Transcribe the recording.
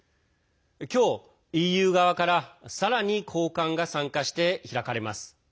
今日、ＥＵ側からさらに高官が参加して開かれます。